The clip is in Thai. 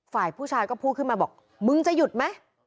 ฝ่ายผู้ชายก็พูดขึ้นมาบอกมึงจะหยุดไหม